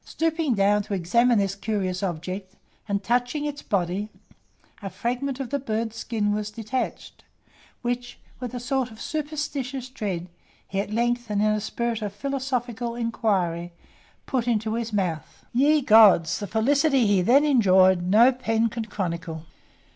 Stooping down to examine this curious object, and touching its body, a fragment of the burnt skin was detached, which, with a sort of superstitious dread, he at length, and in a spirit of philosophical inquiry, put into his mouth. Ye gods! the felicity he then enjoyed, no pen can chronicle!